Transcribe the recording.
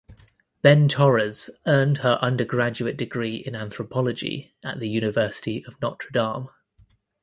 Benn Torres earned her undergraduate degree in anthropology at the University of Notre Dame.